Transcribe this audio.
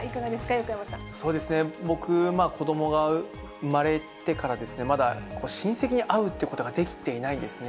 横そうですね、僕、子どもが産まれてから、まだ親戚に会うということができていないんですね。